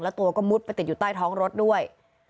แล้วตัวก็มุดไปติดอยู่ใต้ท้องรถด้วย